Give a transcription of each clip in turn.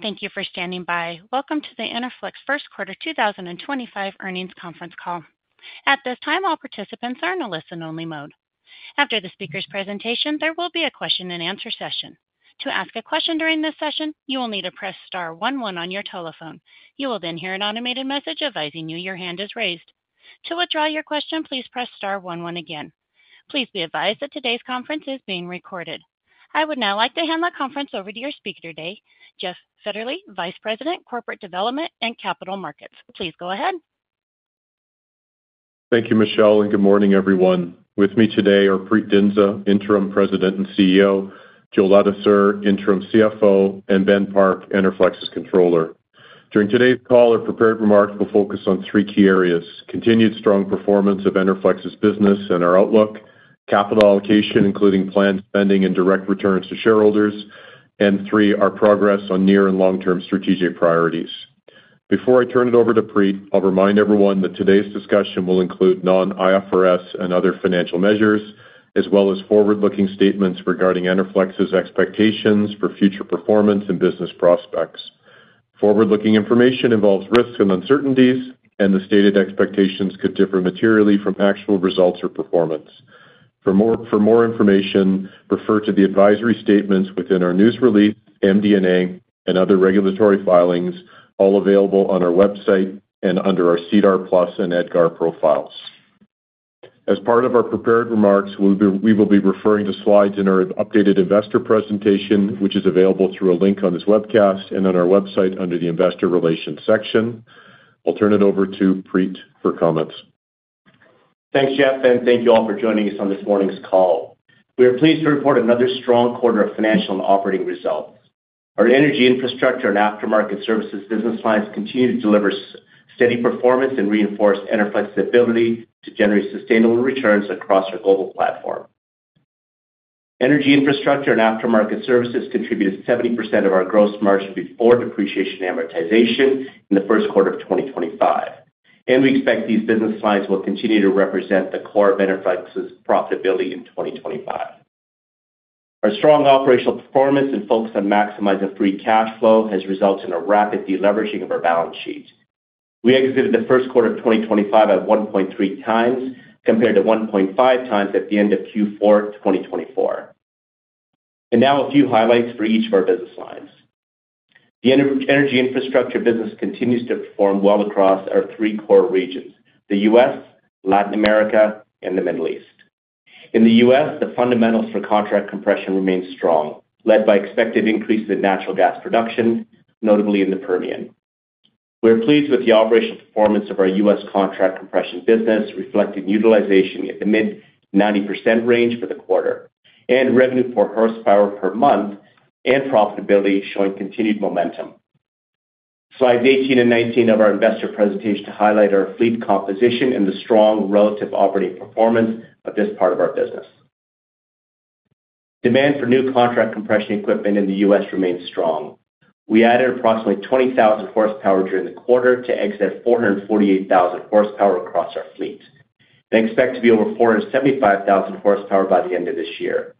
Thank you for standing by. Welcome to the Enerflex First Quarter 2025 Earnings Conference Call. At this time, all participants are in a listen-only mode. After the speaker's presentation, there will be a question-and-answer session. To ask a question during this session, you will need to press star 11 on your telephone. You will then hear an automated message advising you your hand is raised. To withdraw your question, please press star 11 again. Please be advised that today's conference is being recorded. I would now like to hand the conference over to your speaker today, Jeff Fetterly, Vice President, Corporate Development and Capital Markets. Please go ahead. Thank you, Michelle, and good morning, everyone. With me today are Preet Dhindsa, Interim President and CEO; Joe Ladouceur, Interim CFO; and Ben Park, Enerflex's controller. During today's call, our prepared remarks will focus on three key areas: continued strong performance of Enerflex's business and our outlook, capital allocation, including planned spending and direct returns to shareholders, and three, our progress on near and long-term strategic priorities. Before I turn it over to Preet, I'll remind everyone that today's discussion will include non-IFRS and other financial measures, as well as forward-looking statements regarding Enerflex's expectations for future performance and business prospects. Forward-looking information involves risks and uncertainties, and the stated expectations could differ materially from actual results or performance. For more information, refer to the advisory statements within our news release, MD&A, and other regulatory filings, all available on our website and under our CEDAR Plus and EDGAR profiles. As part of our prepared remarks, we will be referring to slides in our updated investor presentation, which is available through a link on this webcast and on our website under the investor relations section. I'll turn it over to Preet for comments. Thanks, Jeff, and thank you all for joining us on this morning's call. We are pleased to report another strong quarter of financial and operating results. Our Energy Infrastructure and Aftermarket Services business lines continue to deliver steady performance and reinforce Enerflex's ability to generate sustainable returns across our global platform. Energy Infrastructure and Aftermarket Services contributed 70% of our gross margin before depreciation and amortization in the first quarter of 2025, and we expect these business lines will continue to represent the core of Enerflex's profitability in 2025. Our strong operational performance and focus on maximizing free cash flow has resulted in a rapid deleveraging of our balance sheet. We exited the first quarter of 2025 at 1.3 times compared to 1.5 times at the end of Q4 2024. Now a few highlights for each of our business lines. The energy infrastructure business continues to perform well across our three core regions: the U.S., Latin America, and the Middle East. In the U.S., the fundamentals for contract compression remain strong, led by expected increases in natural gas production, notably in the Permian. We're pleased with the operational performance of our U.S. contract compression business, reflecting utilization in the mid-90% range for the quarter, and revenue per horsepower per month and profitability showing continued momentum. Slides 18 and 19 of our investor presentation highlight our fleet composition and the strong relative operating performance of this part of our business. Demand for new contract compression equipment in the U.S. remains strong. We added approximately 20,000 horsepower during the quarter to exit at 448,000 horsepower across our fleet. We expect to be over 475,000 horsepower by the end of this year.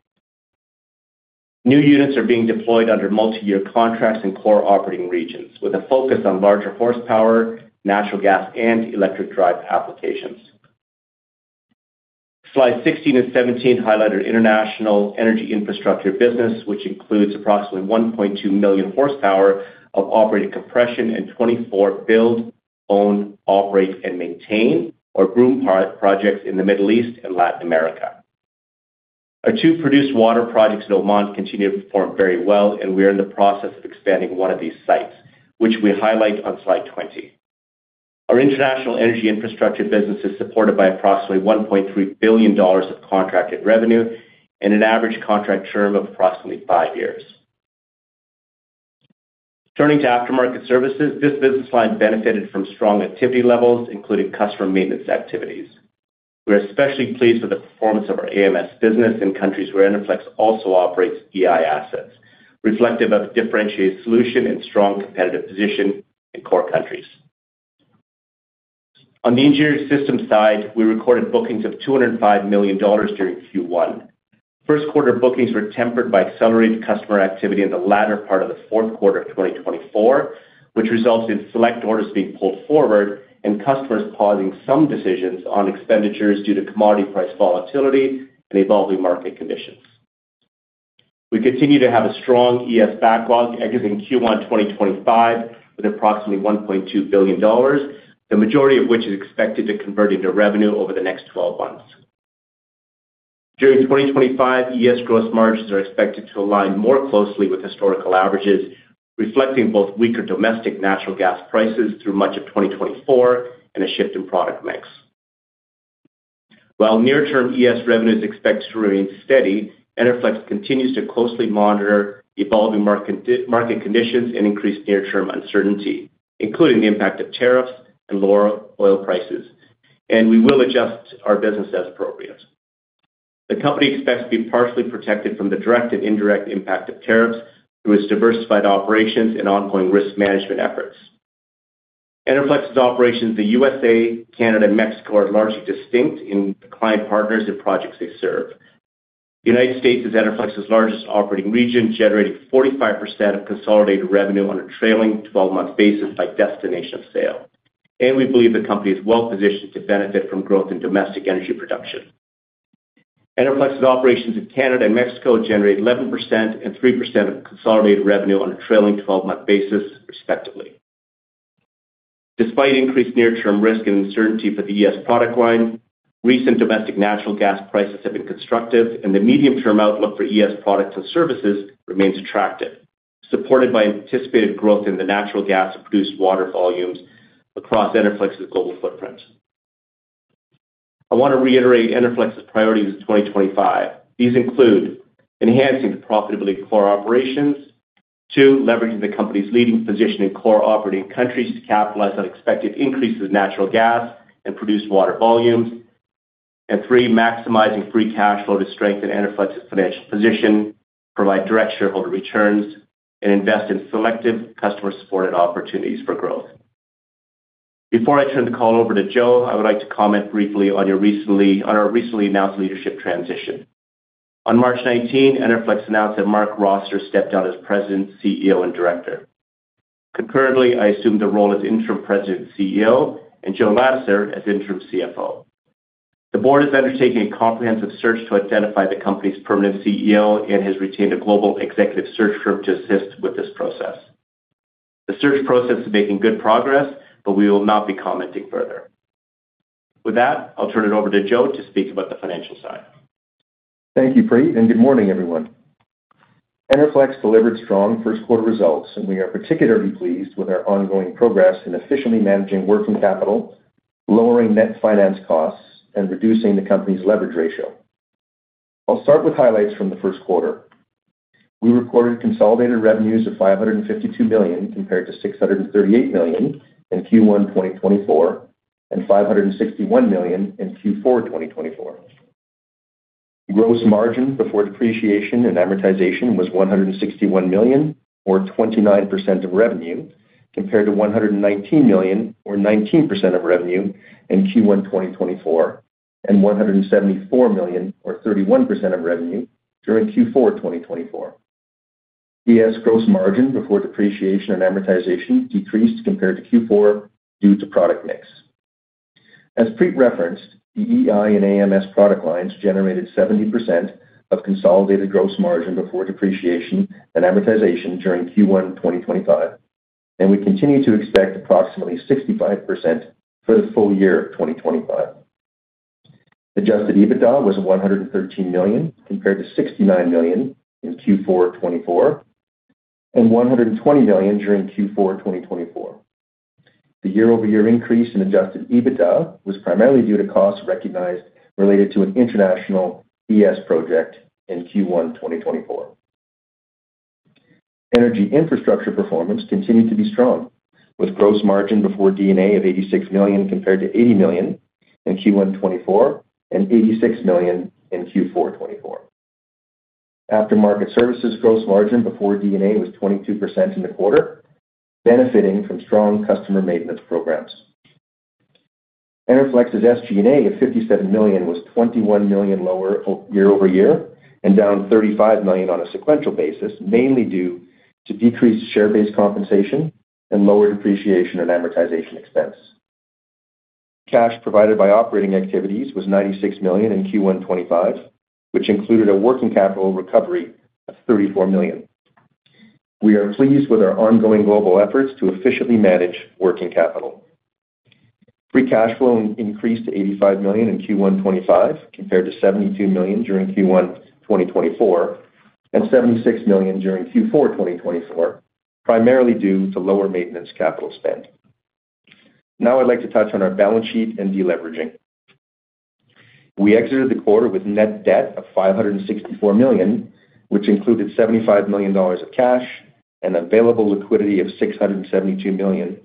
New units are being deployed under multi-year contracts in core operating regions, with a focus on larger horsepower, natural gas, and electric drive applications. Slides 16 and 17 highlight our international Energy Infrastructure business, which includes approximately 1.2 million horsepower of operating compression and 24 build, own, operate, and maintain, or BOOM projects in the Middle East and Latin America. Our two produced water projects in Oman continue to perform very well, and we are in the process of expanding one of these sites, which we highlight on slide 20. Our international Energy Infrastructure business is supported by approximately $1.3 billion of contracted revenue and an average contract term of approximately five years. Turning to Aftermarket Services, this business line benefited from strong activity levels, including customer maintenance activities. We're especially pleased with the performance of our AMS business in countries where Enerflex also operates EI assets, reflective of a differentiated solution and strong competitive position in core countries. On the Engineering System side, we recorded bookings of $205 million during Q1. First quarter bookings were tempered by accelerated customer activity in the latter part of the fourth quarter of 2024, which resulted in select orders being pulled forward and customers pausing some decisions on expenditures due to commodity price volatility and evolving market conditions. We continue to have a strong ES backlog exiting Q1 2025 with approximately $1.2 billion, the majority of which is expected to convert into revenue over the next 12 months. During 2025, ES gross margins are expected to align more closely with historical averages, reflecting both weaker domestic natural gas prices through much of 2024 and a shift in product mix. While near-term ES revenues expect to remain steady, Enerflex continues to closely monitor evolving market conditions and increased near-term uncertainty, including the impact of tariffs and lower oil prices, and we will adjust our business as appropriate. The company expects to be partially protected from the direct and indirect impact of tariffs through its diversified operations and ongoing risk management efforts. Enerflex's operations in the U.S., Canada, and Mexico are largely distinct in the client partners and projects they serve. The United States is Enerflex's largest operating region, generating 45% of consolidated revenue on a trailing 12-month basis by destination of sale, and we believe the company is well positioned to benefit from growth in domestic energy production. Enerflex's operations in Canada and Mexico generate 11% and 3% of consolidated revenue on a trailing 12-month basis, respectively. Despite increased near-term risk and uncertainty for the ES product line, recent domestic natural gas prices have been constructive, and the medium-term outlook for ES products and services remains attractive, supported by anticipated growth in the natural gas and produced water volumes across Enerflex's global footprint. I want to reiterate Enerflex's priorities in 2025. These include enhancing the profitability of core operations, two, leveraging the company's leading position in core operating countries to capitalize on expected increases in natural gas and produced water volumes, and three, maximizing free cash flow to strengthen Enerflex's financial position, provide direct shareholder returns, and invest in selective customer-supported opportunities for growth. Before I turn the call over to Joe, I would like to comment briefly on our recently announced leadership transition. On March 19, Enerflex announced that Mark Rossiter stepped down as President, CEO, and Director. Concurrently, I assumed the role as Interim President and CEO, and Joe Ladouceur as Interim CFO. The board has undertaken a comprehensive search to identify the company's permanent CEO and has retained a global executive search firm to assist with this process. The search process is making good progress, but we will not be commenting further. With that, I'll turn it over to Joe to speak about the financial side. Thank you, Preet, and good morning, everyone. Enerflex delivered strong first-quarter results, and we are particularly pleased with our ongoing progress in efficiently managing working capital, lowering net finance costs, and reducing the company's leverage ratio. I'll start with highlights from the first quarter. We recorded consolidated revenues of $552 million compared to $638 million in Q1 2024 and $561 million in Q4 2024. Gross margin before depreciation and amortization was $161 million, or 29% of revenue, compared to $119 million, or 19% of revenue in Q1 2024, and $174 million, or 31% of revenue, during Q4 2024. ES gross margin before depreciation and amortization decreased compared to Q4 due to product mix. As Preet referenced, the EI and AMS product lines generated 70% of consolidated gross margin before depreciation and amortization during Q1 2025, and we continue to expect approximately 65% for the full year of 2025. Adjusted EBITDA was $113 million, compared to $69 million in Q4 2024, and $120 million during Q4 2024. The year-over-year increase in adjusted EBITDA was primarily due to costs recognized related to an international ES project in Q1 2024. Energy Infrastructure performance continued to be strong, with gross margin before D&A of $86 million compared to $80 million in Q1 2024 and $86 million in Q4 2024. Aftermarket Services gross margin before D&A was 22% in the quarter, benefiting from strong customer maintenance programs. Enerflex's SG&A of $57 million was $21 million lower year-over-year and down $35 million on a sequential basis, mainly due to decreased share-based compensation and lower depreciation and amortization expense. Cash provided by operating activities was $96 million in Q1 2025, which included a working capital recovery of $34 million. We are pleased with our ongoing global efforts to efficiently manage working capital. Free cash flow increased to $85 million in Q1 2025, compared to $72 million during Q1 2024 and $76 million during Q4 2024, primarily due to lower maintenance capital spend. Now I'd like to touch on our balance sheet and deleveraging. We exited the quarter with net debt of $564 million, which included $75 million of cash and available liquidity of $672 million,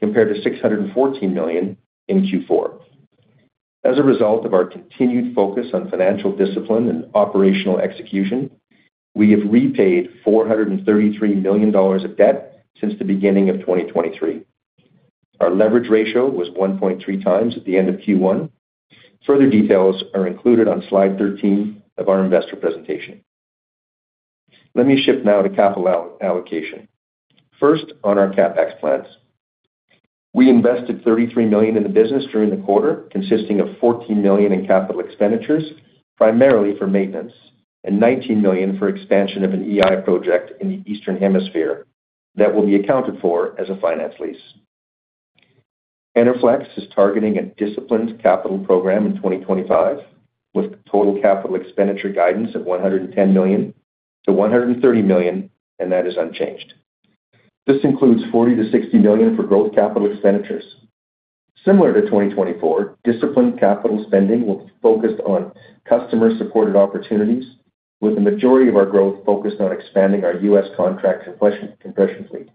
compared to $614 million in Q4. As a result of our continued focus on financial discipline and operational execution, we have repaid $433 million of debt since the beginning of 2023. Our leverage ratio was 1.3 times at the end of Q1. Further details are included on slide 13 of our investor presentation. Let me shift now to capital allocation. First, on our CapEx plans, we invested $33 million in the business during the quarter, consisting of $14 million in capital expenditures, primarily for maintenance, and $19 million for expansion of an EI project in the Eastern Hemisphere that will be accounted for as a finance lease. Enerflex is targeting a disciplined capital program in 2025, with total capital expenditure guidance at $110 million-$130 million, and that is unchanged. This includes $40 million-$60 million for growth capital expenditures. Similar to 2024, disciplined capital spending will be focused on customer-supported opportunities, with the majority of our growth focused on expanding our U.S. contract compression fleet.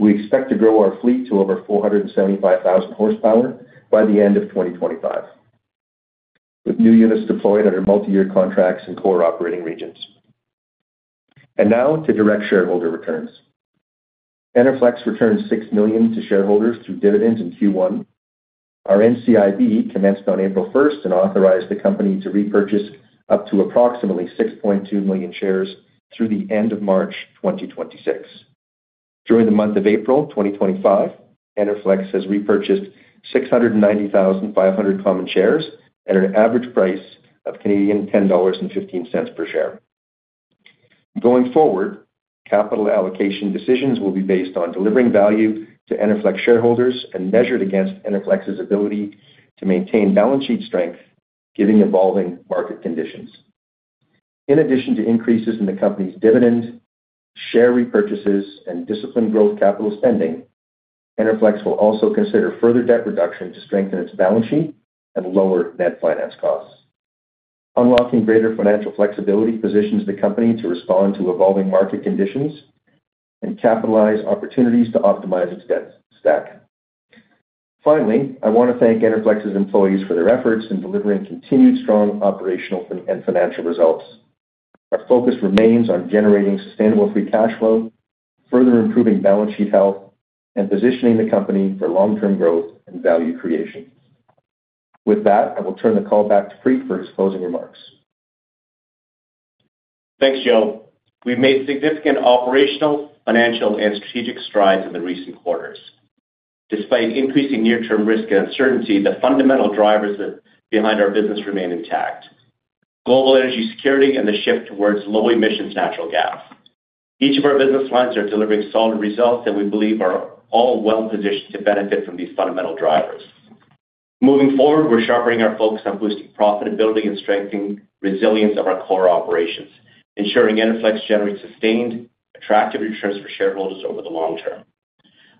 We expect to grow our fleet to over 475,000 horsepower by the end of 2025, with new units deployed under multi-year contracts in core operating regions. Enerflex returned $6 million to shareholders through dividends in Q1. Our NCIB commenced on April 1 and authorized the company to repurchase up to approximately 6.2 million shares through the end of March 2026. During the month of April 2025, Enerflex has repurchased 690,500 common shares at an average price of 10.15 Canadian dollars per share. Going forward, capital allocation decisions will be based on delivering value to Enerflex shareholders and measured against Enerflex's ability to maintain balance sheet strength given evolving market conditions. In addition to increases in the company's dividend, share repurchases, and disciplined growth capital spending, Enerflex will also consider further debt reduction to strengthen its balance sheet and lower net finance costs. Unlocking greater financial flexibility positions the company to respond to evolving market conditions and capitalize opportunities to optimize its debt stack. Finally, I want to thank Enerflex's employees for their efforts in delivering continued strong operational and financial results. Our focus remains on generating sustainable free cash flow, further improving balance sheet health, and positioning the company for long-term growth and value creation. With that, I will turn the call back to Preet for his closing remarks. Thanks, Joe. We've made significant operational, financial, and strategic strides in the recent quarters. Despite increasing near-term risk and uncertainty, the fundamental drivers behind our business remain intact: global energy security and the shift towards low-emissions natural gas. Each of our business lines is delivering solid results, and we believe we are all well positioned to benefit from these fundamental drivers. Moving forward, we're sharpening our focus on boosting profitability and strengthening resilience of our core operations, ensuring Enerflex generates sustained, attractive returns for shareholders over the long term.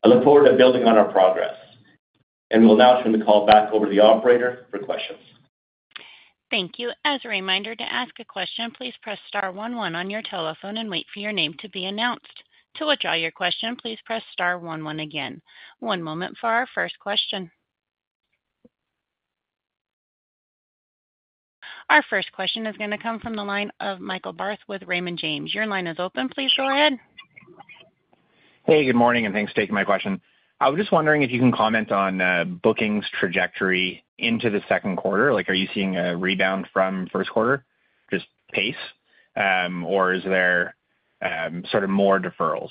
I look forward to building on our progress, and we'll now turn the call back over to the operator for questions. Thank you. As a reminder, to ask a question, please press star 11 on your telephone and wait for your name to be announced. To withdraw your question, please press star 11 again. One moment for our first question. Our first question is going to come from the line of Michael Barth with Raymond James. Your line is open. Please go ahead. Hey, good morning, and thanks for taking my question. I was just wondering if you can comment on bookings' trajectory into the second quarter. Are you seeing a rebound from first quarter, just pace, or is there sort of more deferrals?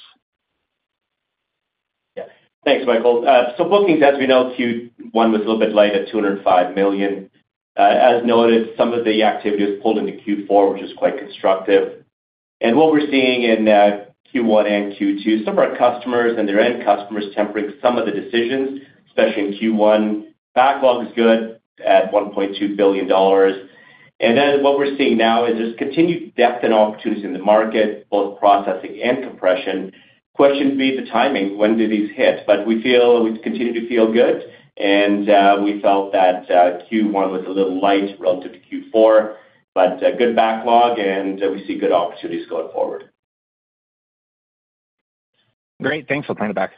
Yeah, thanks, Michael. So bookings, as we know, Q1 was a little bit light at $205 million. As noted, some of the activity was pulled into Q4, which was quite constructive. What we are seeing in Q1 and Q2, some of our customers and their end customers are tempering some of the decisions, especially in Q1. Backlog is good at $1.2 billion. What we are seeing now is there is continued depth and opportunities in the market, both processing and compression. The question would be the timing. When do these hit? We continue to feel good, and we felt that Q1 was a little light relative to Q4, but good backlog, and we see good opportunities going forward. Great. Thanks. I'll turn it back.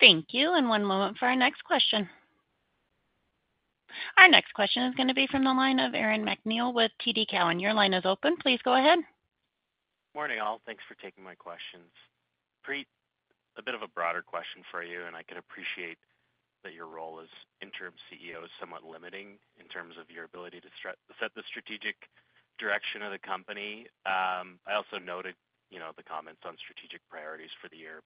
Thank you. One moment for our next question. Our next question is going to be from the line of Aaron MacNeil with TD Cowen. Your line is open. Please go ahead. Good morning, all. Thanks for taking my questions. Preet, a bit of a broader question for you, and I can appreciate that your role as Interim CEO is somewhat limiting in terms of your ability to set the strategic direction of the company. I also noted the comments on strategic priorities for the year.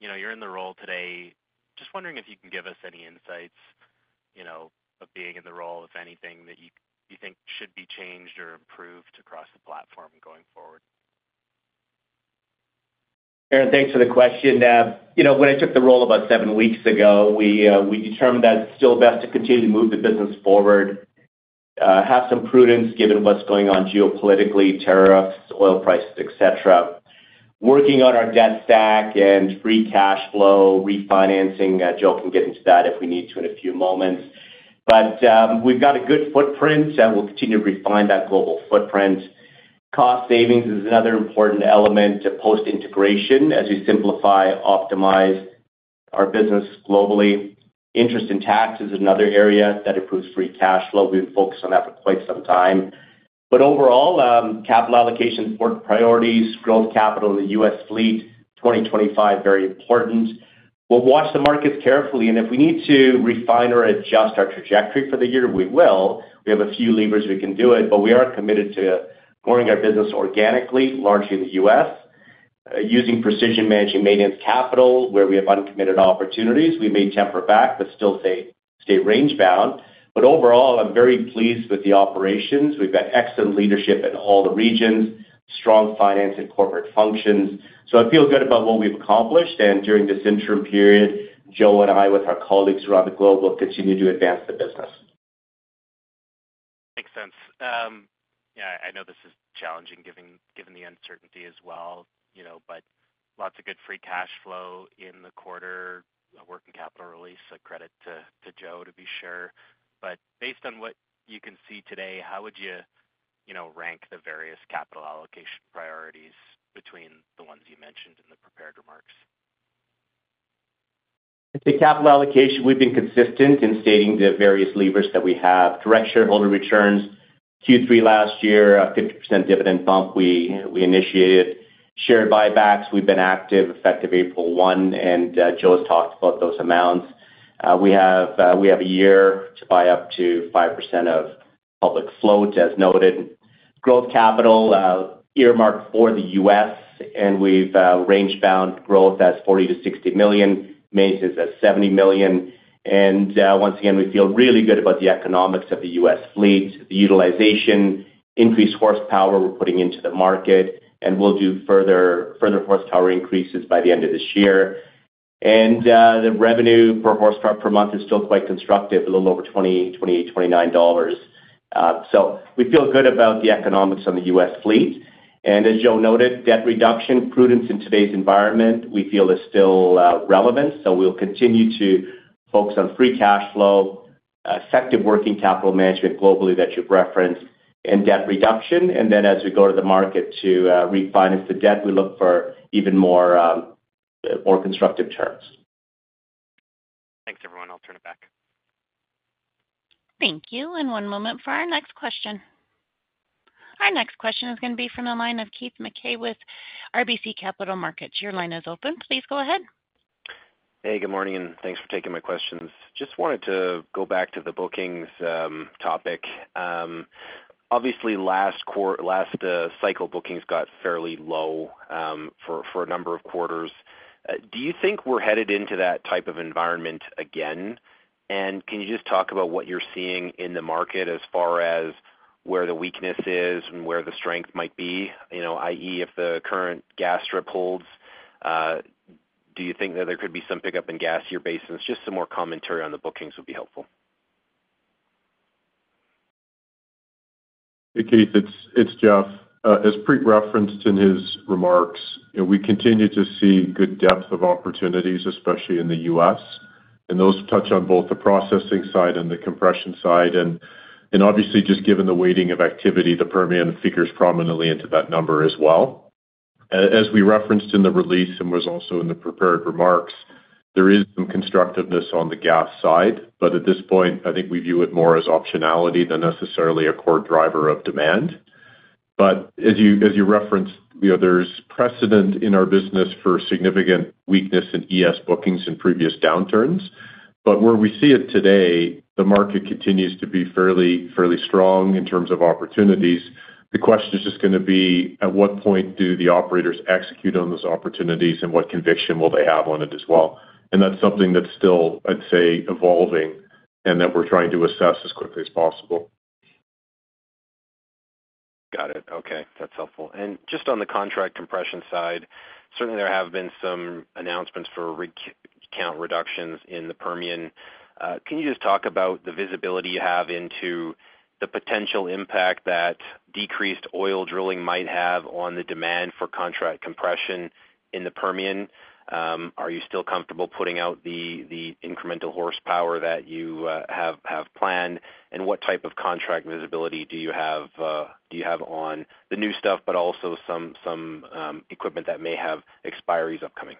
You are in the role today. Just wondering if you can give us any insights of being in the role, if anything, that you think should be changed or improved across the platform going forward. Aaron, thanks for the question. When I took the role about seven weeks ago, we determined that it's still best to continue to move the business forward, have some prudence given what's going on geopolitically, tariffs, oil prices, et cetera, working on our debt stack and free cash flow, refinancing. Joe can get into that if we need to in a few moments. We have got a good footprint, and we will continue to refine that global footprint. Cost savings is another important element to post-integration as we simplify, optimize our business globally. Interest and tax is another area that improves free cash flow. We have focused on that for quite some time. Overall, capital allocation, work priorities, growth capital in the U.S. fleet, 2025, very important. We will watch the markets carefully, and if we need to refine or adjust our trajectory for the year, we will. We have a few levers we can do it, but we are committed to growing our business organically, largely in the U.S., using precision managing maintenance capital where we have uncommitted opportunities. We may temper back, but still stay range-bound. Overall, I'm very pleased with the operations. We've got excellent leadership in all the regions, strong finance and corporate functions. I feel good about what we've accomplished, and during this interim period, Joe and I with our colleagues around the globe will continue to advance the business. Makes sense. Yeah, I know this is challenging given the uncertainty as well, but lots of good free cash flow in the quarter, a working capital release, a credit to Joe to be sure. Based on what you can see today, how would you rank the various capital allocation priorities between the ones you mentioned in the prepared remarks? I'd say capital allocation, we've been consistent in stating the various levers that we have. Direct shareholder returns, Q3 last year, a 50% dividend bump we initiated. Share buybacks, we've been active, effective April 1, and Joe has talked about those amounts. We have a year to buy up to 5% of public float, as noted. Growth capital, earmarked for the U.S., and we've rangebound growth as $40 million-$60 million, maintenance as $70 million. Once again, we feel really good about the economics of the U.S. fleet, the utilization, increased horsepower we're putting into the market, and we'll do further horsepower increases by the end of this year. The revenue per horsepower per month is still quite constructive, a little over $28, $29. We feel good about the economics on the U.S. fleet. As Joe noted, debt reduction, prudence in today's environment, we feel is still relevant. We will continue to focus on free cash flow, effective working capital management globally that you have referenced, and debt reduction. As we go to the market to refinance the debt, we look for even more constructive terms. Thanks, everyone. I'll turn it back. Thank you. One moment for our next question. Our next question is going to be from the line of Keith McKay with RBC Capital Markets. Your line is open. Please go ahead. Hey, good morning, and thanks for taking my questions. Just wanted to go back to the bookings topic. Obviously, last cycle, bookings got fairly low for a number of quarters. Do you think we're headed into that type of environment again? Can you just talk about what you're seeing in the market as far as where the weakness is and where the strength might be, i.e., if the current gas strip holds? Do you think that there could be some pickup in gas year basis? Just some more commentary on the bookings would be helpful. Hey, Keith, it's Jeff. As Preet referenced in his remarks, we continue to see good depth of opportunities, especially in the U.S., and those touch on both the processing side and the compression side. Obviously, just given the weighting of activity, the Permian figures prominently into that number as well. As we referenced in the release and was also in the prepared remarks, there is some constructiveness on the gas side, but at this point, I think we view it more as optionality than necessarily a core driver of demand. As you referenced, there's precedent in our business for significant weakness in ES bookings in previous downturns. Where we see it today, the market continues to be fairly strong in terms of opportunities. The question is just going to be, at what point do the operators execute on those opportunities, and what conviction will they have on it as well? That's something that's still, I'd say, evolving and that we're trying to assess as quickly as possible. Got it. Okay. That's helpful. Just on the contract compression side, certainly there have been some announcements for rig count reductions in the Permian. Can you just talk about the visibility you have into the potential impact that decreased oil drilling might have on the demand for contract compression in the Permian? Are you still comfortable putting out the incremental horsepower that you have planned? What type of contract visibility do you have on the new stuff, but also some equipment that may have expiries upcoming?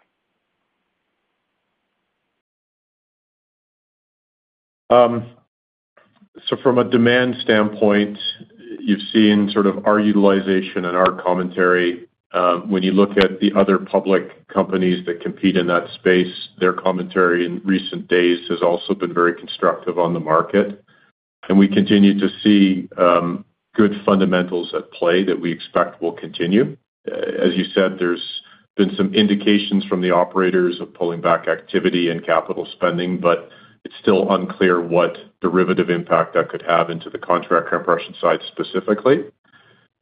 From a demand standpoint, you've seen sort of our utilization and our commentary. When you look at the other public companies that compete in that space, their commentary in recent days has also been very constructive on the market. We continue to see good fundamentals at play that we expect will continue. As you said, there's been some indications from the operators of pulling back activity and capital spending, but it's still unclear what derivative impact that could have into the contract compression side specifically.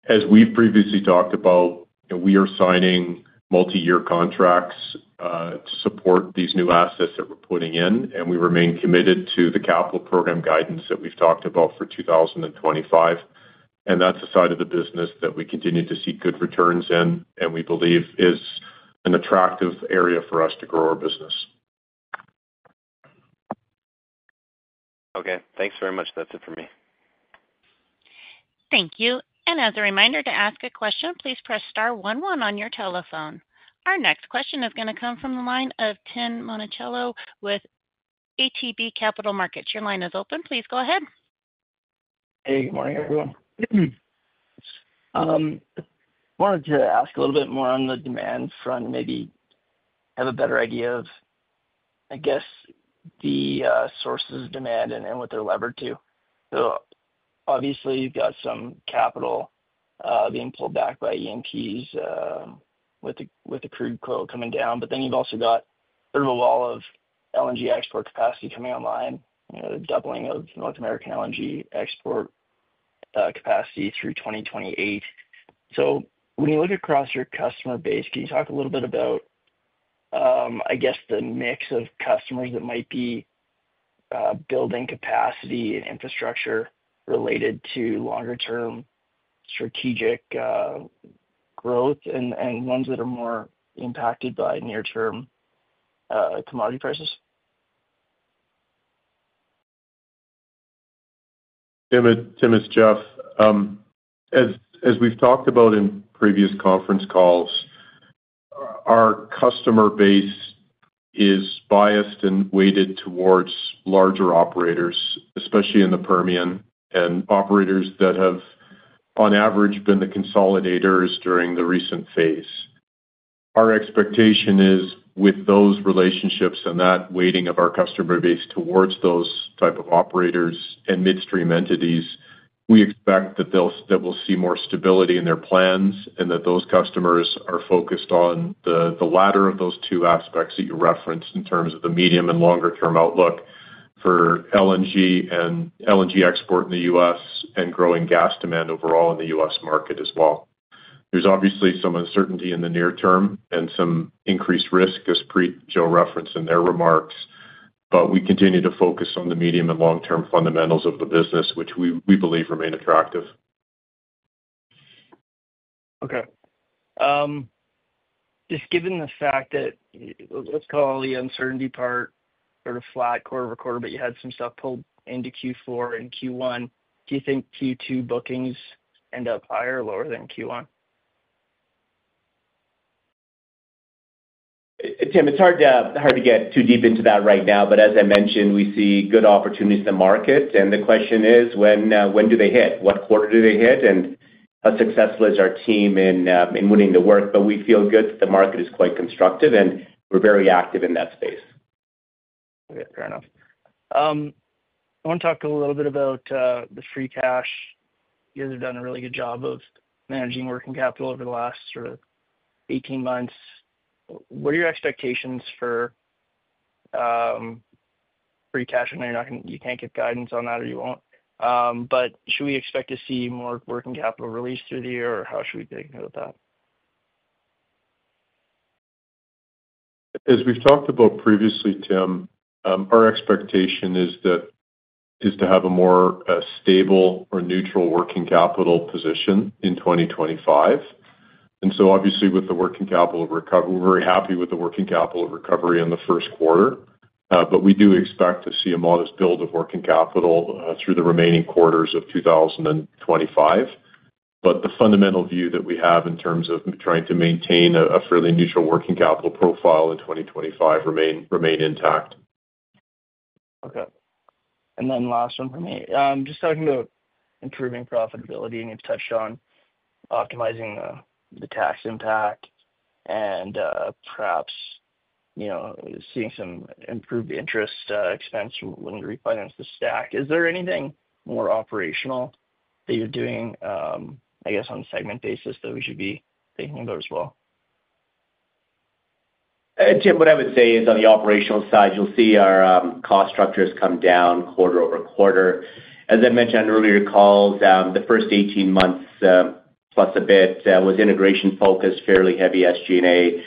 As we've previously talked about, we are signing multi-year contracts to support these new assets that we're putting in, and we remain committed to the capital program guidance that we've talked about for 2025. That's a side of the business that we continue to see good returns in and we believe is an attractive area for us to grow our business. Okay. Thanks very much. That's it for me. Thank you. As a reminder to ask a question, please press star 11 on your telephone. Our next question is going to come from the line of Tim Monachello with ATB Capital Markets. Your line is open. Please go ahead. Hey, good morning, everyone. I wanted to ask a little bit more on the demand front, maybe have a better idea of, I guess, the sources of demand and what they're levered to. Obviously, you've got some capital being pulled back by EMPs with the crude quote coming down, but then you've also got sort of a wall of LNG export capacity coming online, the doubling of North American LNG export capacity through 2028. When you look across your customer base, can you talk a little bit about, I guess, the mix of customers that might be building capacity and infrastructure related to longer-term strategic growth and ones that are more impacted by near-term commodity prices? Tim, it's Jeff. As we've talked about in previous conference calls, our customer base is biased and weighted towards larger operators, especially in the Permian, and operators that have, on average, been the consolidators during the recent phase. Our expectation is, with those relationships and that weighting of our customer base towards those type of operators and midstream entities, we expect that we'll see more stability in their plans and that those customers are focused on the latter of those two aspects that you referenced in terms of the medium and longer-term outlook for LNG and LNG export in the U.S. and growing gas demand overall in the U.S. market as well. There's obviously some uncertainty in the near term and some increased risk, as Preet and Joe referenced in their remarks, but we continue to focus on the medium and long-term fundamentals of the business, which we believe remain attractive. Okay. Just given the fact that, let's call the uncertainty part sort of flat quarter over quarter, but you had some stuff pulled into Q4 and Q1. Do you think Q2 bookings end up higher or lower than Q1? Tim, it's hard to get too deep into that right now, but as I mentioned, we see good opportunities in the market. The question is, when do they hit? What quarter do they hit? And how successful is our team in winning the work? We feel good that the market is quite constructive, and we're very active in that space. Okay. Fair enough. I want to talk a little bit about the free cash. You guys have done a really good job of managing working capital over the last sort of 18 months. What are your expectations for free cash? I know you can't give guidance on that or you won't, but should we expect to see more working capital released through the year, or how should we take note of that? As we've talked about previously, Tim, our expectation is to have a more stable or neutral working capital position in 2025. Obviously, with the working capital recovery, we're very happy with the working capital recovery in the first quarter, but we do expect to see a modest build of working capital through the remaining quarters of 2025. The fundamental view that we have in terms of trying to maintain a fairly neutral working capital profile in 2025 remains intact. Okay. Last one for me. Just talking about improving profitability, and you've touched on optimizing the tax impact and perhaps seeing some improved interest expense when you refinance the stack. Is there anything more operational that you're doing, I guess, on a segment basis that we should be thinking about as well? Tim, what I would say is on the operational side, you'll see our cost structures come down quarter over quarter. As I mentioned on earlier calls, the first 18 months plus a bit was integration focused, fairly heavy SG&A.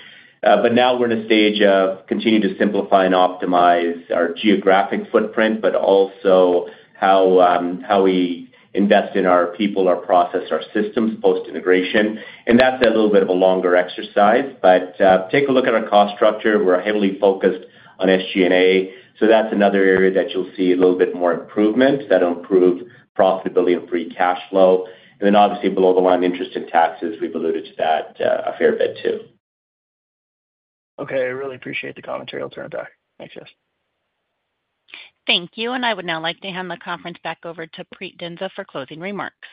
Now we're in a stage of continuing to simplify and optimize our geographic footprint, but also how we invest in our people, our process, our systems post-integration. That's a little bit of a longer exercise. Take a look at our cost structure. We're heavily focused on SG&A. That's another area that you'll see a little bit more improvement that'll improve profitability and free cash flow. Obviously, below the line, interest and taxes, we've alluded to that a fair bit too. Okay. I really appreciate the commentary. I'll turn it back. Thanks, guys. Thank you. I would now like to hand the conference back over to Preet Dhindsa for closing remarks.